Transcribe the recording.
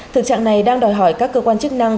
thực trạng này đang đòi hỏi các cơ quan chức năng